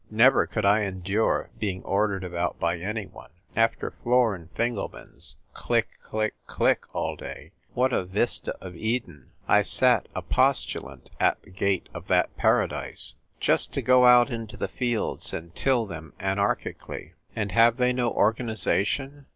Never could I endure being ordered about by anj one. After Flor and Fingehnan's — click, clici<, click, all day — what a vista of Eden ! I sat a postulant at the gate of that Paradise. Just to go out into the fields and till them anarchically ! "And have they no organisation